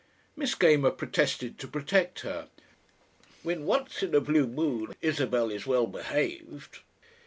Miss Gamer protested to protect her, "When once in a blue moon Isabel is well behaved....!"